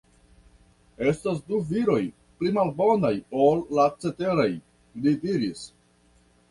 Estas du viroj pli malbonaj ol la ceteraj” li diris.